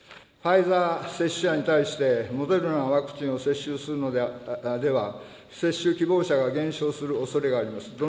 ファイザー接種者に対して、モデルナのワクチンを接種するのでは、接種希望者が減少するおそれがあります。